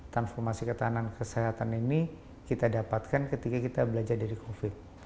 transformasi ketahanan kesehatan ini kita dapatkan ketika kita belajar dari covid